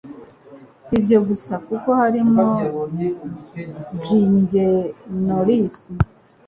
Si ibyo gusa kuko harimo gingenols